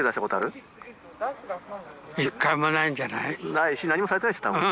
ないし何もされてないでしょたぶん。